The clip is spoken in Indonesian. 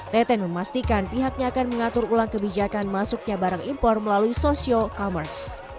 teten memastikan pihaknya akan mengatur ulang kebijakan masuknya barang impor melalui social commerce